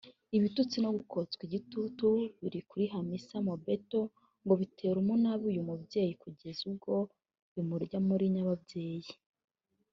Ibitutsi no kotswa igitutu biri kuri Hamisa Mobeto ngo bitera umunabi uyu mubyeyi kugeza ubwo bimurya muri nyababyeyi